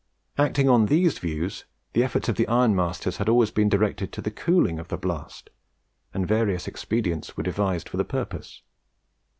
Acting on these views, the efforts of the ironmasters had always been directed to the cooling of the blast, and various expedients were devised for the purpose.